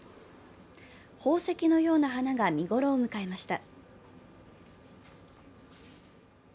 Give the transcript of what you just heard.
宝石のような花が見頃を迎えました。